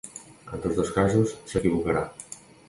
En tots dos casos s'equivocarà.